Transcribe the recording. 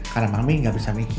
karena mami gak bisa mikir